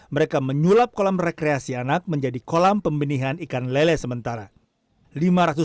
mereka menyulap kolam rekreasi anak menjadi kolam pembenihan ikan lele sementara